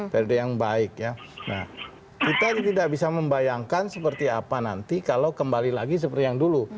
periode yang baik ya nah kita tidak bisa membayangkan seperti apa nanti kalau kembali lagi seperti yang dulu